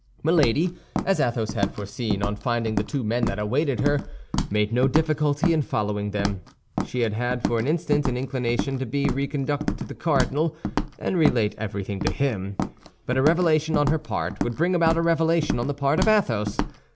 Milady, as Athos had foreseen, on finding the two men that awaited her, made no difficulty in following them. She had had for an instant an inclination to be reconducted to the cardinal, and relate everything to him; but a revelation on her part would bring about a revelation on the part of Athos.